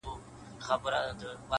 ډبري غورځوې تر شا لاسونه هم نیسې،